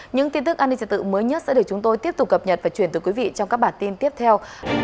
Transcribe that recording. những tin tức an ninh trật tự mới nhất sẽ được chúng tôi tiếp tục cập nhật và chuyển tới quý vị trong các bản tin tiếp theo